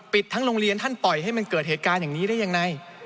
ทั้งโรงเรียนท่านปล่อยให้มันเกิดเหตุการณ์อย่างนี้ได้ยังไง